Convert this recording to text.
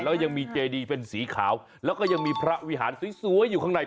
แล้วยังมีเจดีเป็นสีขาวแล้วก็ยังมีพระวิหารสวยอยู่ข้างใน